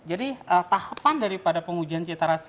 ya jadi tahapan daripada pengujian citarasa